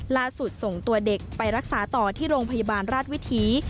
ส่งตัวเด็กไปรักษาต่อที่โรงพยาบาลราชวิถี